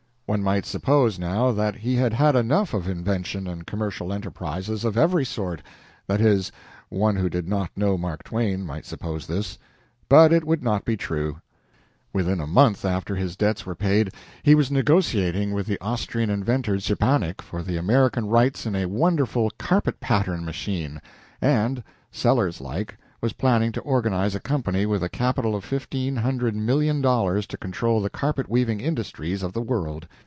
One might suppose now that he had had enough of invention and commercial enterprises of every sort that is, one who did not know Mark Twain might suppose this but it would not be true. Within a month after his debts were paid he was negotiating with the Austrian inventor Szczepanik for the American rights in a wonderful carpet pattern machine, and, Sellers like, was planning to organize a company with a capital of fifteen hundred million dollars to control the carpet weaving industries of the world.